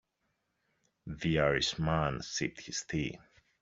The Irish man sipped his tea.